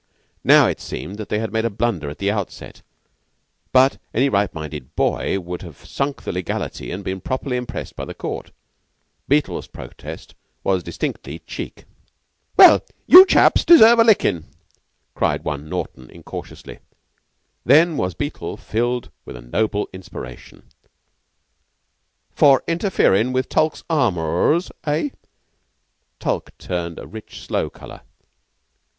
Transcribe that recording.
Now, it seemed that they had made a blunder at the outset, but any right minded boy would have sunk the legality and been properly impressed by the Court. Beetle's protest was distinct "cheek." "Well, you chaps deserve a lickin'," cried one Naughten incautiously. Then was Beetle filled with a noble inspiration. "For interferin' with Tulke's amours, eh?" Tulke turned a rich sloe color.